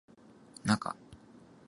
なか